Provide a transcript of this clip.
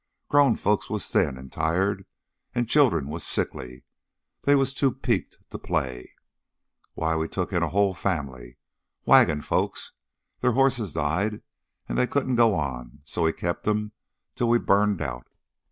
Grown folks was thin and tired, and children was sickly they was too peaked to play. Why, we took in a hull family wagon folks. Their hosses died and they couldn't go on, so we kep' 'em 'til we burned out.